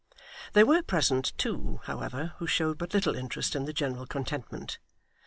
There were present two, however, who showed but little interest in the general contentment.